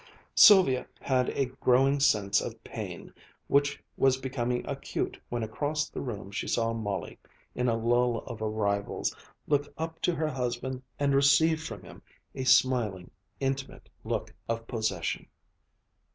Sylvia had a growing sense of pain, which was becoming acute when across the room she saw Molly, in a lull of arrivals, look up to her husband and receive from him a smiling, intimate look of possession.